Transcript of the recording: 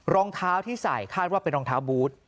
รองเท้าที่ใส่คาดว่าเป็นรองเท้าบูธ